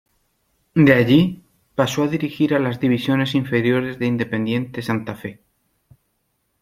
De allí, pasó a dirigir a las divisiones inferiores de Independiente Santa Fe.